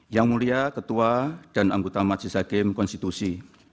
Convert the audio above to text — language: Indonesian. yang mulia ketua dan anggota majelis hakim konstitusi